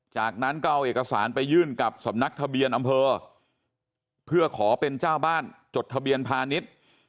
จากนั้นก็เอาเอกสารไปยื่นกับสำนักทะเบียนอำเภอเพื่อขอเป็นเจ้าบ้านจดทะเบียนพาณิชย์